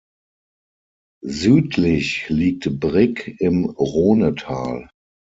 Südlich liegt Brig im Rhonetal.